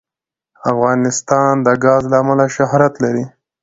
افغانستان د ګاز له امله شهرت لري.